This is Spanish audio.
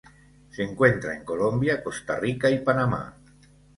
Se encuentra en Colombia, Costa Rica y Panamá.